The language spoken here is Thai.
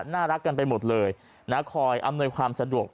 น่ารักกันไปหมดเลยนะคอยอำนวยความสะดวก